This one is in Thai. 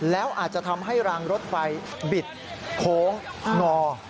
แล้วอาจจะทำให้รางรถไฟบิดโค้งงอ